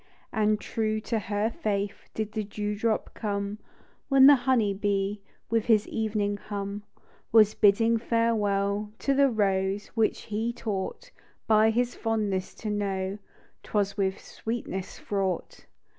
And, true to her faith, Did the dew drop come, When the honey bee, With his evening hum, THE DEW DllOP. Was bidding farewell To the rose, which he taught, By his fondness, to know 'T was with sweetness fraught.